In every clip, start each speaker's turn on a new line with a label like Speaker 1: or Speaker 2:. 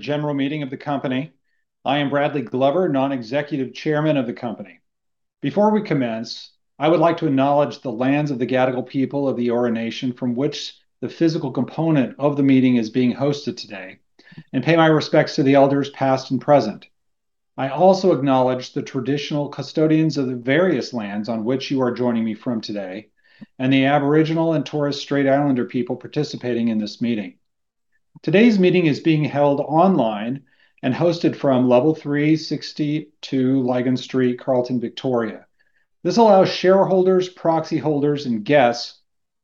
Speaker 1: General meeting of the company. I am Bradley Glover, Non-Executive Chairman of the company. Before we commence, I would like to acknowledge the lands of the Gadigal people of the Eora nation from which the physical component of the meeting is being hosted today, and pay my respects to the elders past and present. I also acknowledge the traditional custodians of the various lands on which you are joining me from today, and the Aboriginal and Torres Strait Islander people participating in this meeting. Today's meeting is being held online and hosted from Level 3, 62 Lygon Street, Carlton, Victoria. This allows shareholders, proxy holders, and guests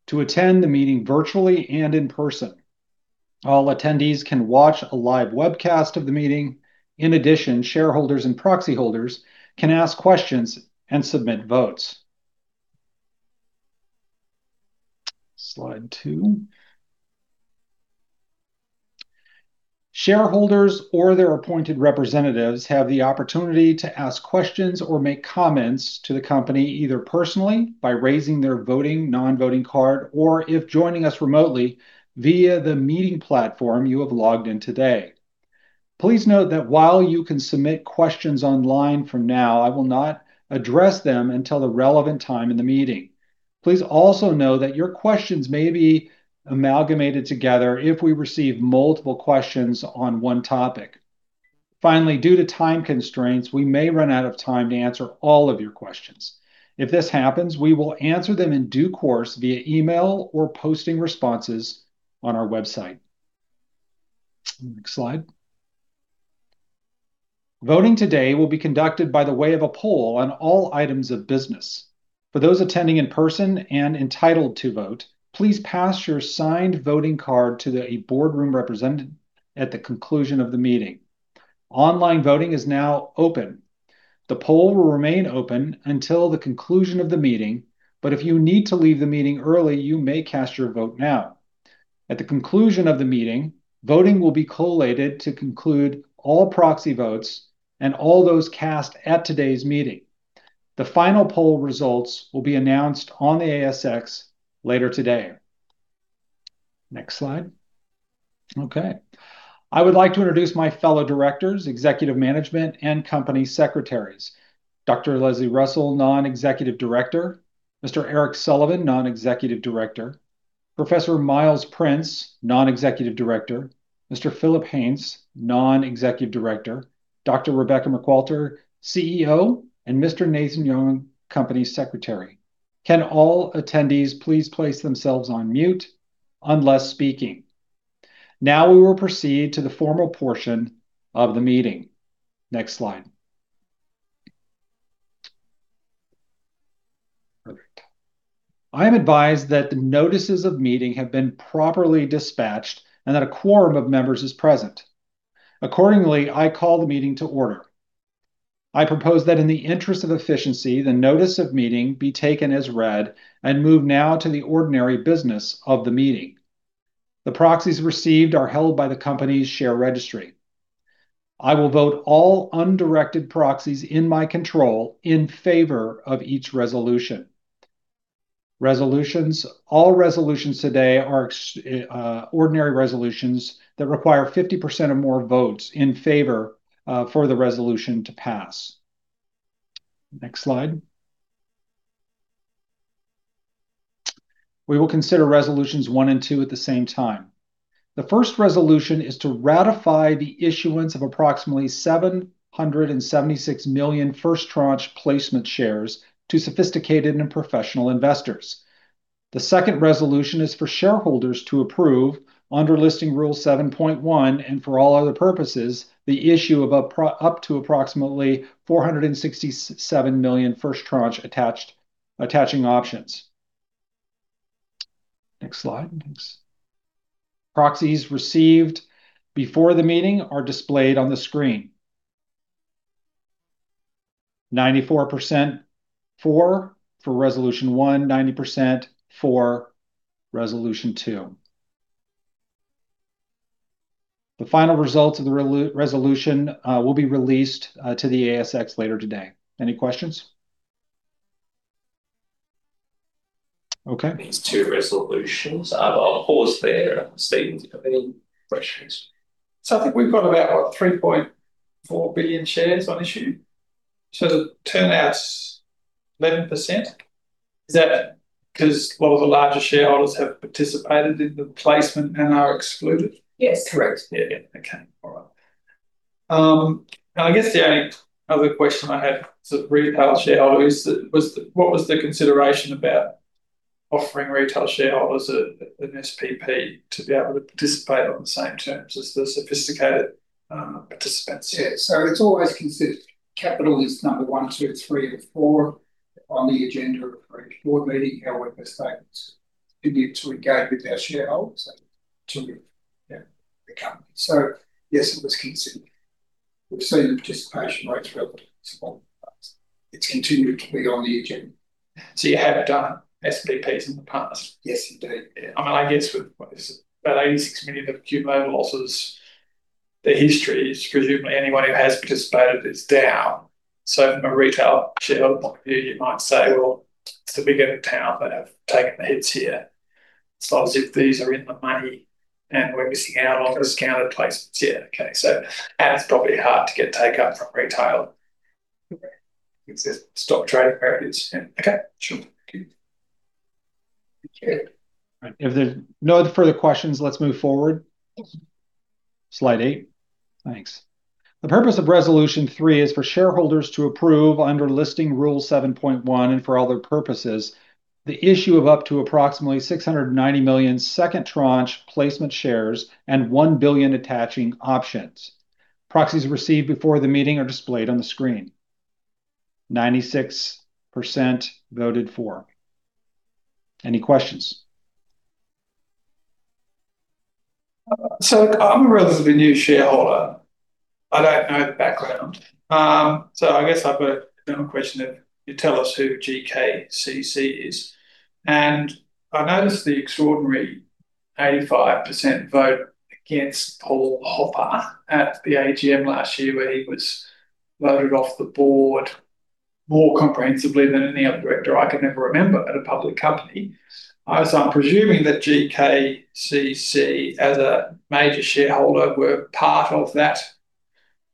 Speaker 1: to attend the meeting virtually and in person. All attendees can watch a live webcast of the meeting. In addition, shareholders and proxy holders can ask questions and submit votes. Slide 2. Shareholders or their appointed representatives have the opportunity to ask questions or make comments to the company either personally by raising their voting, non-voting card, or if joining us remotely, via the meeting platform you have logged in today. Please note that while you can submit questions online from now, I will not address them until the relevant time in the meeting. Please also know that your questions may be amalgamated together if we receive multiple questions on one topic. Finally, due to time constraints, we may run out of time to answer all of your questions. If this happens, we will answer them in due course via email or posting responses on our website. Next slide. Voting today will be conducted by way of a poll on all items of business. For those attending in person and entitled to vote, please pass your signed voting card to a boardroom representative at the conclusion of the meeting. Online voting is now open. The poll will remain open until the conclusion of the meeting. If you need to leave the meeting early, you may cast your vote now. At the conclusion of the meeting, voting will be collated to conclude all proxy votes and all those cast at today's meeting. The final poll results will be announced on the ASX later today. Next slide. Okay. I would like to introduce my fellow directors, executive management, and company secretaries. Dr. Lesley Russell, Non-Executive Director. Mr. Eric Sullivan, Non-Executive Director. Professor Miles Prince, Non-Executive Director. Mr. Phillip Hains, Non-Executive Director. Dr. Rebecca McQualter, CEO. And Mr. Nathan Jong, Company Secretary. Can all attendees please place themselves on mute unless speaking. Now we will proceed to the formal portion of the meeting. Next slide. Perfect. I am advised that the notices of meeting have been properly dispatched and that a quorum of members is present. Accordingly, I call the meeting to order. I propose that in the interest of efficiency, the notice of meeting be taken as read and move now to the ordinary business of the meeting. The proxies received are held by the company's share registry. I will vote all undirected proxies in my control in favor of each resolution. Resolutions. All resolutions today are ordinary resolutions that require 50% or more votes in favor, for the resolution to pass. Next slide. We will consider resolutions one and two at the same time. The first resolution is to ratify the issuance of approximately 776 million first tranche placement shares to sophisticated and professional investors. The second resolution is for shareholders to approve under Listing Rule 7.1, and for all other purposes, the issue of up to approximately 467 million first tranche attaching options. Next slide. Thanks. Proxies received before the meeting are displayed on the screen. 94% for Resolution 1, 90% for Resolution 2. The final results of the resolution will be released to the ASX later today. Any questions? Okay. These two resolutions, I'll pause there, Stephen, do you have any questions?
Speaker 2: I think we've got about what, 3.4 billion shares on issue. The turnout's 11%. Is that because a lot of the larger shareholders have participated in the placement and are excluded?
Speaker 1: Yes, correct.
Speaker 2: Yeah. Okay. All right. I guess the only other question I have as a retail shareholder is, what was the consideration about offering retail shareholders an SPP to be able to participate on the same terms as the sophisticated participants?
Speaker 1: Yeah. It's always considered capital is number one, two, three and four on the agenda of every board meeting. However, statements needed to engage with our shareholders to the company. Yes, it was considered. We've seen participation rates relatively small. It's continued to be on the agenda.
Speaker 2: You have done SPPs in the past?
Speaker 1: Yes, indeed.
Speaker 2: Yeah. I guess with, what is it, about 86 million of cumulative losses, the history is presumably anyone who has participated is down. From a retail shareholder point of view, you might say, "Well, it's the big end of town who have taken the hits here." It's not as if these are in the money and we're missing out on discounted placements here. It's probably hard to get take-up from retail.
Speaker 1: Okay.
Speaker 2: It says stop trading where it is. Yeah. Okay, sure. Thank you.
Speaker 1: If there's no further questions, let's move forward.
Speaker 2: Yes.
Speaker 1: Slide 8. Thanks. The purpose of resolution three is for shareholders to approve under Listing Rule 7.1 and for other purposes the issue of up to approximately 690 million second tranche placement shares and 1 billion attaching options. Proxies received before the meeting are displayed on the screen. 96% voted for. Any questions?
Speaker 2: I'm a relatively new shareholder. I don't know the background. I guess I've got a general question if you tell us who GKCC is. I noticed the extraordinary 85% vote against Paul Hopper at the AGM last year, where he was voted off the board more comprehensively than any other director I can ever remember at a public company. I'm presuming that GKCC, as a major shareholder, were part of that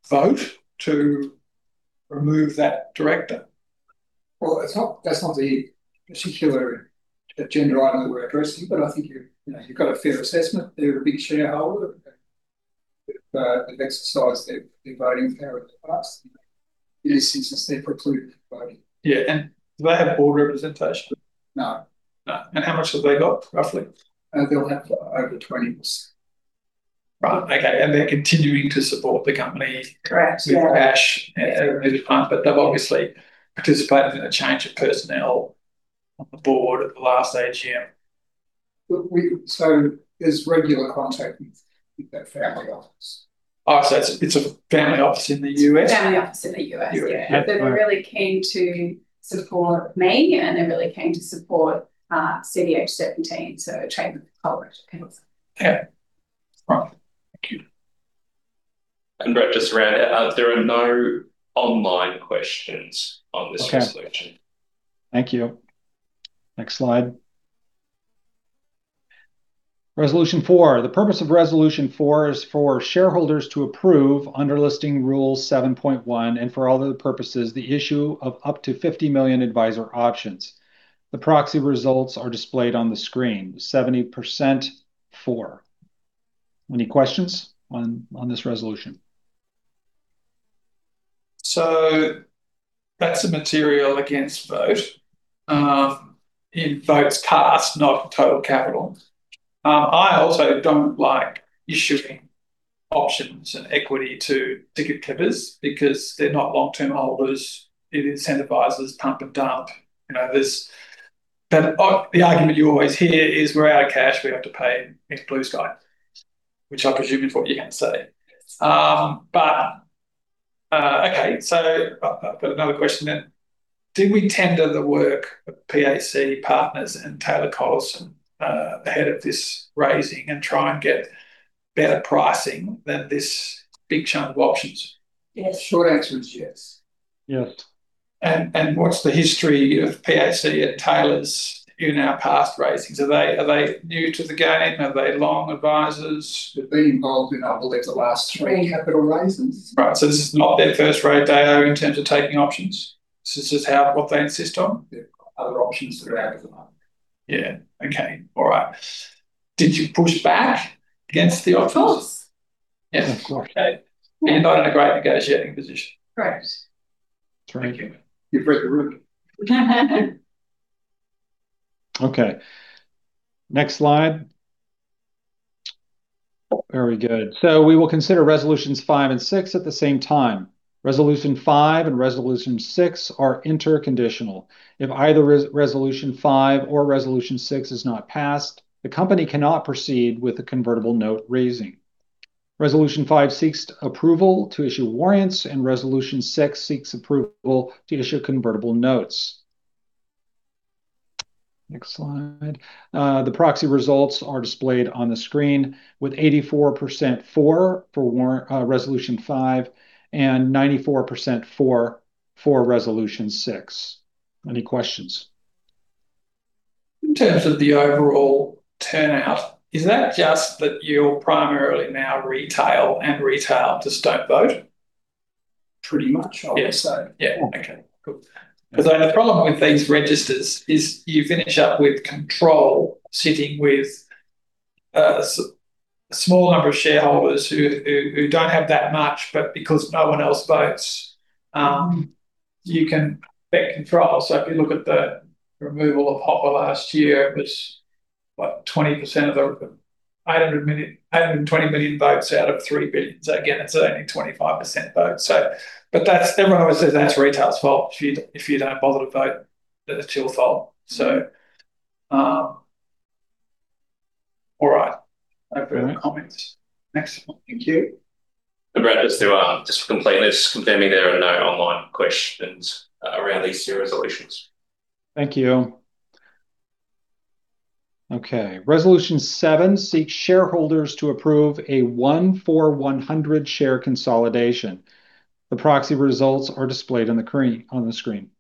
Speaker 2: vote to remove that director.
Speaker 1: Well, that's not the particular agenda item that we're addressing, but I think you've got a fair assessment. They're a big shareholder, have exercised their voting power in the past. It is since they're precluded from voting.
Speaker 2: Yeah. Do they have board representation?
Speaker 1: No.
Speaker 2: No. How much have they got, roughly?
Speaker 1: They'll have over 20%.
Speaker 2: Right. Okay, they're continuing to support the company.
Speaker 1: Correct. Yeah.
Speaker 2: With cash at the moment. They've obviously participated in a change of personnel on the board at the last AGM.
Speaker 1: There's regular contact with that family office.
Speaker 2: Oh, it's a family office in the U.S.?
Speaker 3: Family office in the U.S. yeah.
Speaker 2: U.S.
Speaker 3: They're really keen to support me, and they're really keen to support CDH17, so treatment for colorectal cancer.
Speaker 2: Yeah. Right. Thank you.
Speaker 4: Bradley, just around, there are no online questions on this resolution.
Speaker 1: Okay. Thank you. Next slide. Resolution 4. The purpose of Resolution 4 is for shareholders to approve under Listing Rule 7.1 and for all other purposes, the issue of up to 50 million adviser options. The proxy results are displayed on the screen, 70% for. Any questions on this resolution?
Speaker 2: That's a material against vote, in votes cast, not the total capital. I also don't like issuing options and equity to ticket clippers because they're not long-term holders. It incentivizes pump and dump. The argument you always hear is, "We're out of cash. We have to pay next blue sky," which I presume is what you're going to say.
Speaker 1: Yes.
Speaker 2: Okay. I've got another question then. Did we tender the work of PAC Partners and Taylor Collison ahead of this raising and try and get better pricing than this big chunk of options?
Speaker 3: Yes.
Speaker 1: Short answer is yes.
Speaker 4: Yes.
Speaker 2: What's the history of PAC and Taylors in our past raisings? Are they new to the game? Are they long advisors?
Speaker 1: They've been involved in, I believe, the last three capital raisings.
Speaker 2: Right. This is not their first rodeo in terms of taking options. This is just what they insist on?
Speaker 1: They've got other options that are out in the market.
Speaker 2: Yeah. Okay. All right. Did you push back against the options?
Speaker 3: Of course.
Speaker 1: Yes, of course.
Speaker 2: Okay. Not in a great negotiating position.
Speaker 3: Correct.
Speaker 1: Correct.
Speaker 2: Thank you.
Speaker 1: You've read the room. Okay. Next slide. Very good. We will consider resolutions 5 and 6 at the same time. Resolution 5 and Resolution 6 are interconditional. If either Resolution 5 or Resolution 6 is not passed, the company cannot proceed with the convertible note raising. Resolution 5 seeks approval to issue warrants, and Resolution 6 seeks approval to issue convertible notes. Next slide. The proxy results are displayed on the screen with 84% for Resolution 5 and 94% for Resolution 6. Any questions?
Speaker 2: In terms of the overall turnout, is that just that you're primarily now retail, and retail just don't vote?
Speaker 1: Pretty much, I would say.
Speaker 2: Yeah. Okay, cool. Because the problem with these registers is you finish up with control sitting with a small number of shareholders who don't have that much, but because no one else votes, you can get control. If you look at the removal of Hopper last year, it was what? 20% of the 820 million votes out of 3 billion. Again, it's only 25% vote, so. Everyone always says that's retail's fault. If you don't bother to vote, then it's your fault, so. All right. No further comments. Next.
Speaker 1: Thank you.
Speaker 4: Bradley, just for completeness, confirming there are no online questions around these two resolutions.
Speaker 1: Thank you. Okay. Resolution seven seeks shareholders to approve a one for 100 share consolidation. The proxy results are displayed on the screen.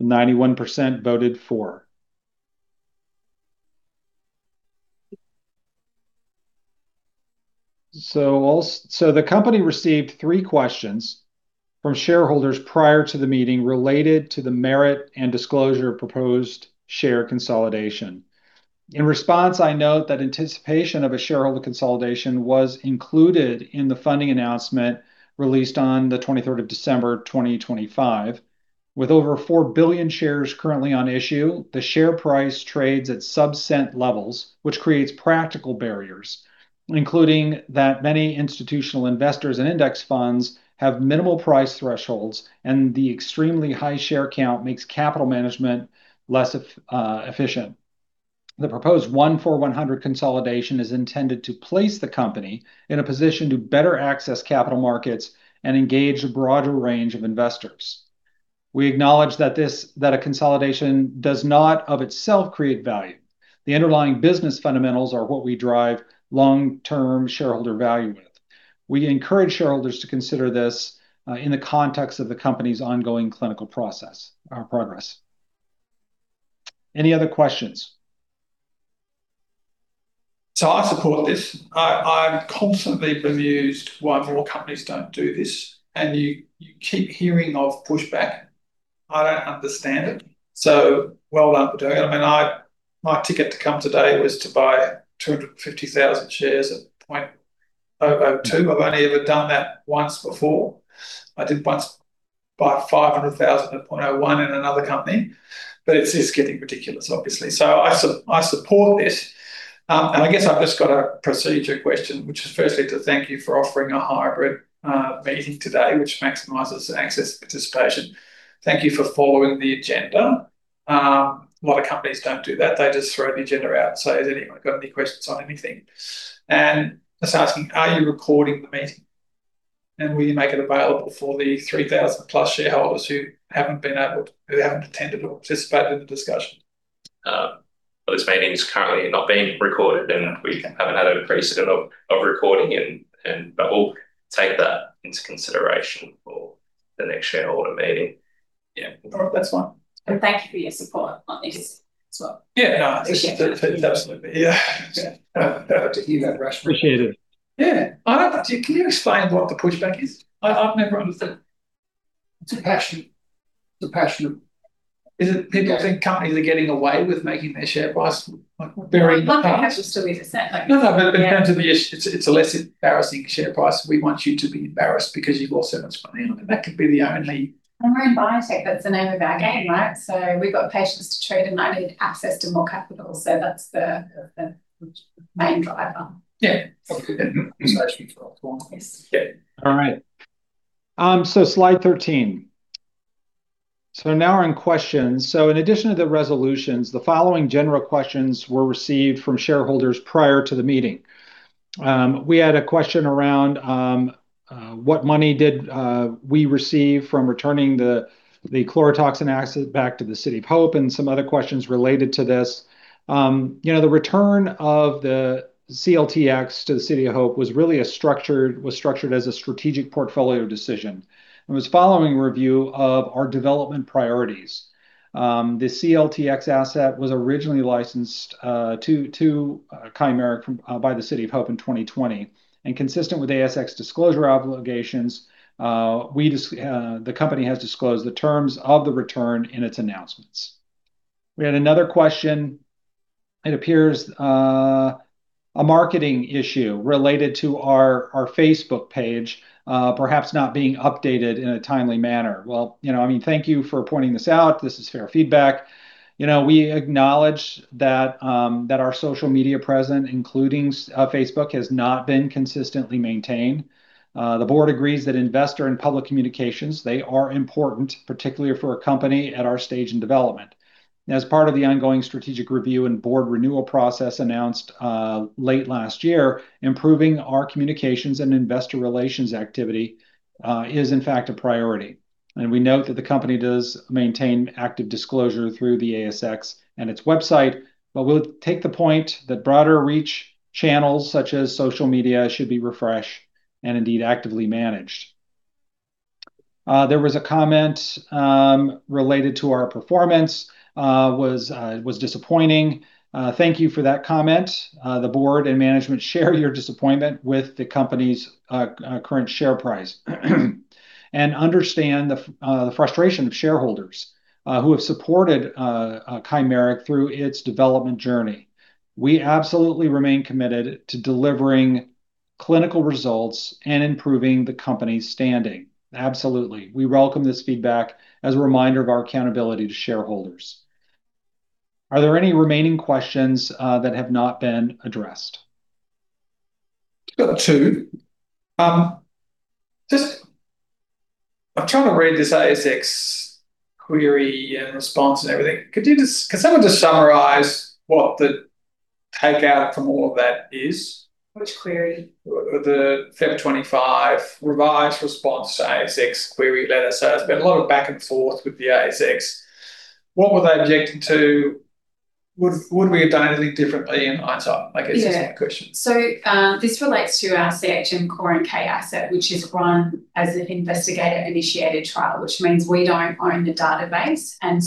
Speaker 1: 91% voted for. The company received three questions from shareholders prior to the meeting related to the merit and disclosure of proposed share consolidation. In response, I note that anticipation of a shareholder consolidation was included in the funding announcement released on the 23rd of December 2025. With over 4 billion shares currently on issue, the share price trades at sub-cent levels, which creates practical barriers, including that many institutional investors and index funds have minimal price thresholds, and the extremely high share count makes capital management less efficient. The proposed one for 100 consolidation is intended to place the company in a position to better access capital markets and engage a broader range of investors. We acknowledge that a consolidation does not of itself create value. The underlying business fundamentals are what we drive long-term shareholder value with. We encourage shareholders to consider this in the context of the company's ongoing clinical progress. Any other questions?
Speaker 2: I support this. I'm constantly bemused why more companies don't do this, and you keep hearing of pushback. I don't understand it. Well done for doing it. My ticket to come today was to buy 250,000 shares at 0.002. I've only ever done that once before. I did once buy 500,000 at 0.01 in another company, but it's just getting ridiculous, obviously. I support this. I guess I've just got a procedure question, which is firstly to thank you for offering a hybrid meeting today, which maximizes access and participation. Thank you for following the agenda. A lot of companies don't do that. They just throw the agenda out and say, "Has anyone got any questions on anything?" Just asking, are you recording the meeting, and will you make it available for the 3,000+ shareholders who haven't attended or participated in the discussion?
Speaker 4: This meeting is currently not being recorded, and we haven't had a precedent of recording it. We'll take that into consideration for the next shareholder meeting. Yeah.
Speaker 2: All right. That's fine.
Speaker 3: Thank you for your support on this as well.
Speaker 2: Yeah, no. Absolutely. Yeah. Happy to hear that, Rebecca.
Speaker 1: Appreciate it.
Speaker 2: Yeah. Can you explain what the pushback is? I've never understood.
Speaker 4: It's a passion.
Speaker 2: Is it people think companies are getting away with making their share price, like very?
Speaker 3: I think it has to still be the same.
Speaker 2: No, in terms of the issue, it's a less embarrassing share price. We want you to be embarrassed because you've lost so much money on it. That could be the only.
Speaker 3: We're in biotech. That's the name of our game, right? We've got patients to treat, and I need access to more capital. That's the main driver.
Speaker 2: Yeah. Conversation for a lot longer.
Speaker 3: Yes.
Speaker 2: Yeah.
Speaker 1: All right. Slide 13. Now we're on questions. In addition to the resolutions, the following general questions were received from shareholders prior to the meeting. We had a question around what money did we receive from returning the chlorotoxin asset back to the City of Hope, and some other questions related to this. The return of the CLTX to the City of Hope was structured as a strategic portfolio decision, and was following review of our development priorities. The CLTX asset was originally licensed to Chimeric by the City of Hope in 2020. Consistent with ASX disclosure obligations, the company has disclosed the terms of the return in its announcements. We had another question. It appears a marketing issue related to our Facebook page perhaps not being updated in a timely manner. Well, thank you for pointing this out. This is fair feedback. We acknowledge that our social media presence, including Facebook, has not been consistently maintained. The board agrees that investor and public communications are important, particularly for a company at our stage in development. As part of the ongoing strategic review and board renewal process announced late last year, improving our communications and investor relations activity is in fact a priority. We note that the company does maintain active disclosure through the ASX and its website. We'll take the point that broader reach channels, such as social media, should be refreshed and indeed actively managed. There was a comment that our performance was disappointing. Thank you for that comment. The board and management share your disappointment with the company's current share price and understand the frustration of shareholders who have supported Chimeric through its development journey. We absolutely remain committed to delivering clinical results and improving the company's standing. Absolutely. We welcome this feedback as a reminder of our accountability to shareholders. Are there any remaining questions that have not been addressed?
Speaker 2: Got to. I'm trying to read this ASX query and response and everything. Can someone just summarize what the takeaway from all of that is?
Speaker 3: Which query?
Speaker 2: The February 25 revised response to ASX query letter. There's been a lot of back and forth with the ASX. What were they objecting to? Would we have done anything differently in hindsight, I guess is my question.
Speaker 3: Yeah. This relates to our CHM 1101 asset, which is run as an investigator-initiated trial, which means we don't own the database, and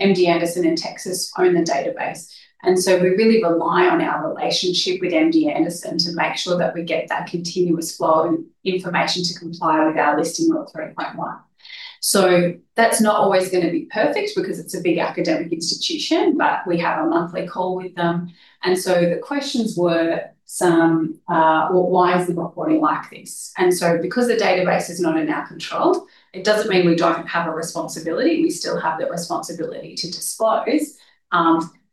Speaker 3: MD Anderson in Texas own the database. We really rely on our relationship with MD Anderson to make sure that we get that continuous flow of information to comply with our Listing Rule 3.1. That's not always going to be perfect because it's a big academic institution, but we have a monthly call with them. The questions were some, well, why is the reporting like this? Because the database is not in our control, it doesn't mean we don't have a responsibility. We still have the responsibility to disclose.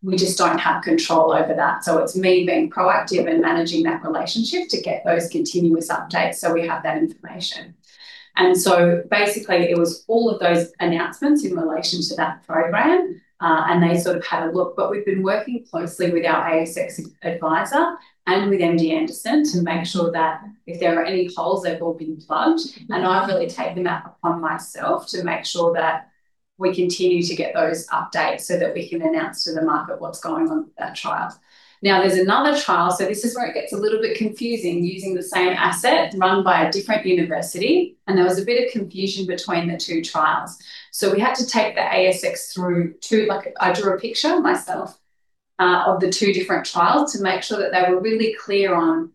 Speaker 3: We just don't have control over that. It's me being proactive and managing that relationship to get those continuous updates so we have that information. Basically, it was all of those announcements in relation to that program, and they sort of had a look. We've been working closely with our ASX advisor and with MD Anderson to make sure that if there are any holes, they've all been plugged. I've really taken that upon myself to make sure that we continue to get those updates so that we can announce to the market what's going on with that trial. Now, there's another trial, so this is where it gets a little bit confusing, using the same asset run by a different university, and there was a bit of confusion between the two trials. We had to take the ASX through two. I drew a picture myself of the two different trials to make sure that they were really clear on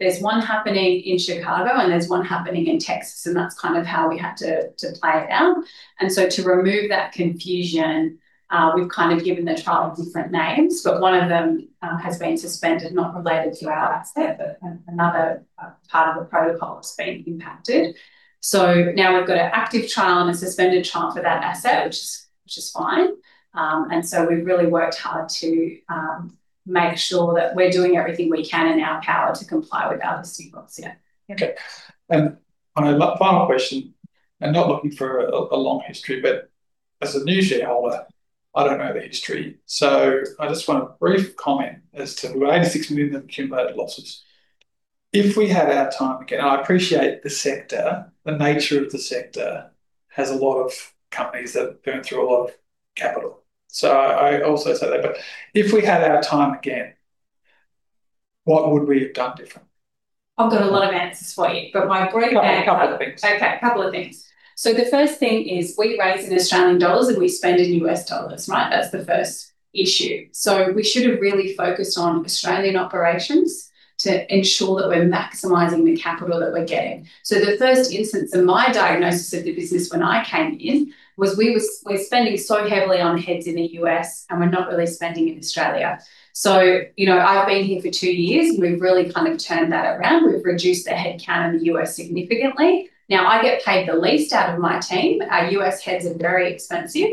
Speaker 3: there's one happening in Chicago and there's one happening in Texas, and that's kind of how we had to play it out. To remove that confusion, we've kind of given the trial different names, but one of them has been suspended, not related to our asset, but another part of the protocol has been impacted. Now we've got an active trial and a suspended trial for that asset, which is fine. We've really worked hard to make sure that we're doing everything we can in our power to comply with our Listing Rules, yeah.
Speaker 2: Okay. Final question, and not looking for a long history, but as a new shareholder, I don't know the history. I just want a brief comment as to why we're 86 million in cumulative losses. If we had our time again, I appreciate the sector. The nature of the sector has a lot of companies that burn through a lot of capital. I also say that, but if we had our time again, what would we have done differently?
Speaker 3: I've got a lot of answers for you, but my brief.
Speaker 2: A couple of things.
Speaker 3: Okay, couple of things. The first thing is we raise in Australian dollars, and we spend in U.S. dollars, right? That's the first issue. We should have really focused on Australian operations to ensure that we're maximizing the capital that we're getting. The first instance of my diagnosis of the business when I came in was we're spending so heavily on heads in the U.S., and we're not really spending in Australia. I've been here for two years, and we've really kind of turned that around. We've reduced the headcount in the U.S. significantly. Now I get paid the least out of my team. Our U.S. heads are very expensive,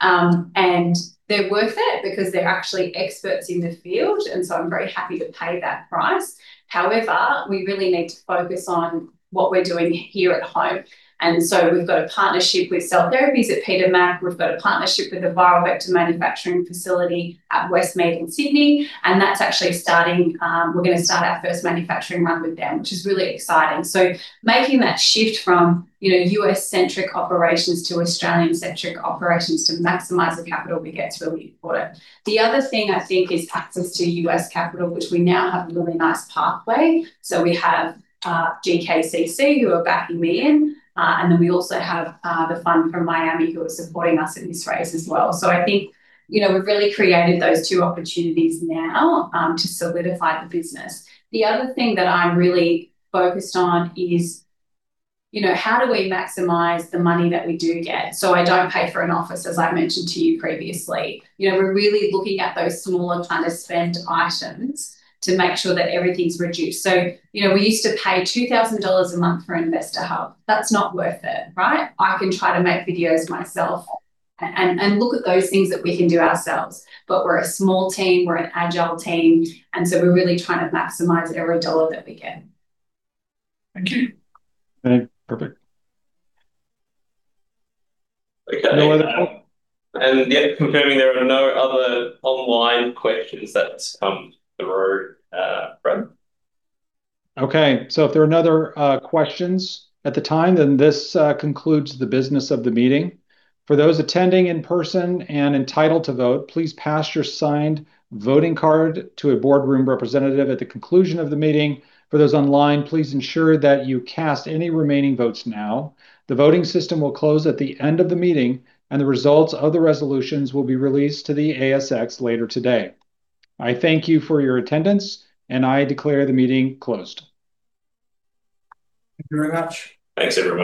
Speaker 3: and they're worth it because they're actually experts in the field, and so I'm very happy to pay that price. However, we really need to focus on what we're doing here at home, and so we've got a partnership with cell therapies at Peter Mac. We've got a partnership with a viral vector manufacturing facility at Westmead in Sydney, and that's actually starting. We're going to start our first manufacturing run with them, which is really exciting. Making that shift from U.S.-centric operations to Australian-centric operations to maximize the capital we get is really important. The other thing I think is access to U.S. capital, which we now have a really nice pathway. We have GKCC who are backing me in, and then we also have the fund from Miami who are supporting us in this raise as well. I think, we've really created those two opportunities now, to solidify the business. The other thing that I'm really focused on is how do we maximize the money that we do get? I don't pay for an office, as I mentioned to you previously. We're really looking at those smaller kind of spend items to make sure that everything's reduced. We used to pay 2,000 dollars a month for an investor hub. That's not worth it, right? I can try to make videos myself and look at those things that we can do ourselves. We're a small team, we're an agile team, and so we're really trying to maximize every dollar that we can.
Speaker 2: Thank you.
Speaker 4: No, perfect.
Speaker 2: Okay.
Speaker 4: Yeah, confirming there are no other online questions that's come through, Brad.
Speaker 1: Okay. If there are no other questions at the time, then this concludes the business of the meeting. For those attending in person and entitled to vote, please pass your signed voting card to a boardroom representative at the conclusion of the meeting. For those online, please ensure that you cast any remaining votes now. The voting system will close at the end of the meeting, and the results of the resolutions will be released to the ASX later today. I thank you for your attendance, and I declare the meeting closed.
Speaker 2: Thank you very much.
Speaker 4: Thanks, everyone.